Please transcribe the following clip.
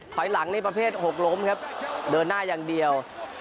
ถอยหลังนี่ประเภท๖ล้มครับเดินหน้าอย่างเดียว